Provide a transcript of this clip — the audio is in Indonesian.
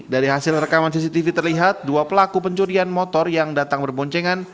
dari hasil rekaman cctv terlihat dua pelaku pencurian motor yang datang berboncengan